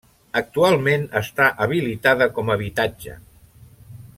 Actualment està habilitada com a habitatge.